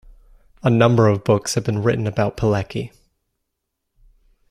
A number of books have been written about Pilecki.